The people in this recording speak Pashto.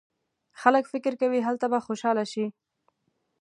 خلک فکر کوي هلته به خوشاله شي.